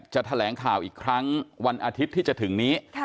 แถลงข่าวอีกครั้งวันอาทิตย์ที่จะถึงนี้